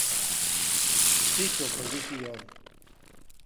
Pico posición